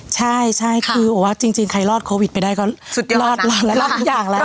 ใช่ใช่คือผมว่าจริงใครรอดโควิดไปได้ก็รอดทุกอย่างแล้ว